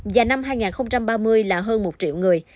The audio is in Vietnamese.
và năm hai nghìn ba mươi là hơn một triệu người